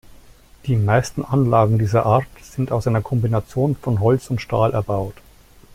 Die meisten Anlagen dieser Art sind aus einer Kombination von Holz und Stahl erbaut.